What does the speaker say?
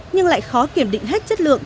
nhưng lại khó kiểm định hết chất lượng